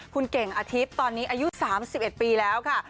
คุณเก่งอาทิตย์ตอนนี้อายุ๓๑ปีแล้วค่ะ